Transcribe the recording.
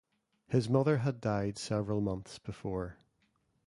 His mother had died several months before.